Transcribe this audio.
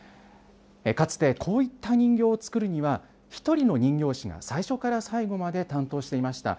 かつて、こういった人形を作るには、１人の人形師が最初から最後まで担当していました。